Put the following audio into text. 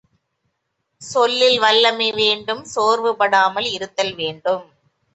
சொல்லில் வல்லமை வேண்டும் சோர்வுபடாமல் இருத்தல் வேண்டும்.